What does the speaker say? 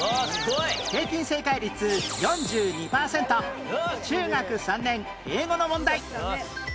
平均正解率４２パーセント中学３年英語の問題